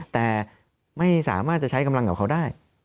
แต่ไม่สามารถจะใช้กำลังกับเขาได้